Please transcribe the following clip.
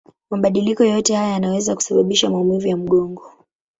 Mabadiliko yoyote haya yanaweza kusababisha maumivu ya mgongo.